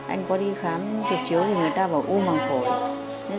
anh có đi khám thực chiếu thì người ta bảo u bằng phổi